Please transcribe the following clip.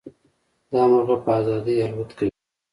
دا مرغه په ازادۍ الوت کوي.